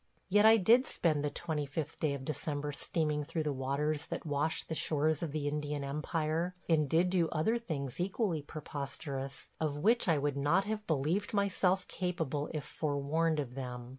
Yet I did spend the 25th day of December steaming through the waters that wash the shores of the Indian Empire, and did do other things equally preposterous, of which I would not have believed myself capable if forewarned of them.